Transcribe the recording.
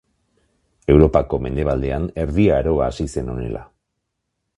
Europako mendebaldean Erdi Aroa hasi zen honela.